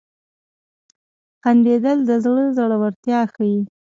• خندېدل د زړه زړورتیا ښيي.